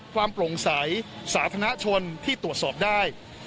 โปร่งใสสาธารณชนที่ตรวจสอบได้